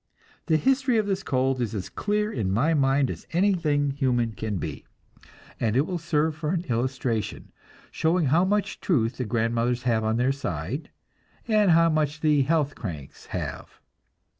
The history of this cold is as clear in my mind as anything human can be, and it will serve for an illustration, showing how much truth the grandmothers have on their side, and how much the "health cranks" have.